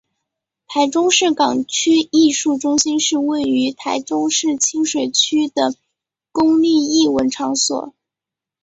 台中市港区艺术中心是位于台中市清水区的公立艺文场所。